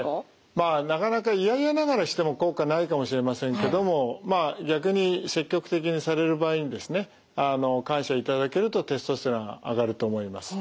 まあなかなかいやいやながらしても効果ないかもしれませんけどもまあ逆に積極的にされる場合にですねあの感謝いただけるとテストステロンが上がると思います。